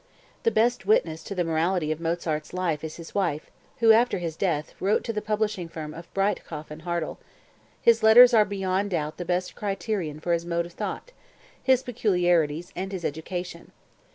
The best witness to the morality of Mozart's life is his wife, who, after his death, wrote to the publishing firm of Breitkopf and Hartel: "His letters are beyond doubt the best criterion for his mode of thought, his peculiarities and his education.